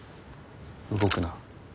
動くな。